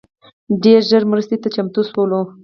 ډېر ژر مرستي ته چمتو سول